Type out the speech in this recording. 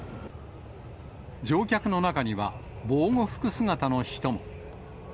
乗客の中には、防護服姿の人も。